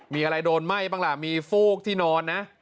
มีอะไรโดนไหม้บ้างล่ะมีฟูกที่นอนนะ